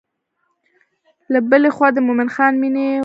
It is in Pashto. له بلې خوا د مومن خان مینې اور و.